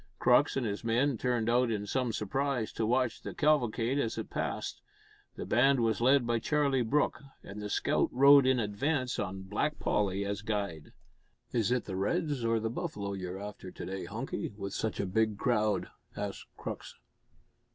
Crux and his men turned out in some surprise to watch the cavalcade as it passed. The band was led by Charlie Brooke, and the scout rode in advance on Black Polly as guide. "Is it the Reds or the Buffalo you're after to day, Hunky, with such a big crowd?" asked Crux.